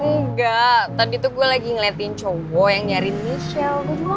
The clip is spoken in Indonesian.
enggak tadi tuh gue lagi ngeliatin cowok yang nyari michelle